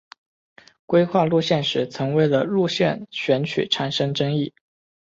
规划路线时曾为了路线选择产生争议。